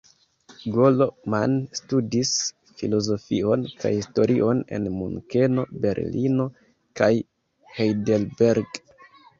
Golo Mann studis filozofion kaj historion en Munkeno, Berlino kaj Heidelberg.